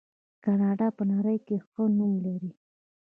کاناډا په نړۍ کې ښه نوم لري.